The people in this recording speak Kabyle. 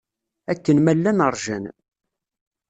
Akken ma llan ṛjan.